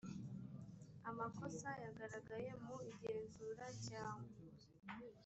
amakosa yagaragaye mu igenzura cyangwa